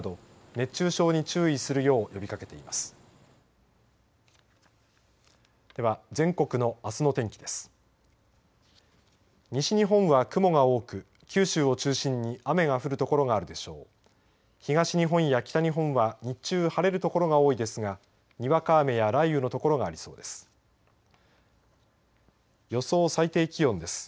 東日本や北日本は日中、晴れる所が多いですがにわか雨や雷雨の所がありそうです。